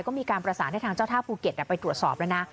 ก็มีการประสานให้ทางเจ้าท่าภูเก็ตไปตรวจสอบแล้วนะ